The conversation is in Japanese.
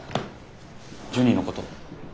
ジュニのこと？